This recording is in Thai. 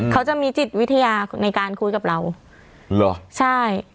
เขาจะมีจิตวิทยาในการคุยกับเราเหรอใช่